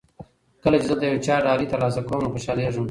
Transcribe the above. کله چې زه د یو چا ډالۍ ترلاسه کوم نو خوشالېږم.